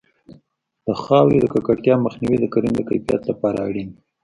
د خاورې د ککړتیا مخنیوی د کرنې د کیفیت لپاره اړین دی.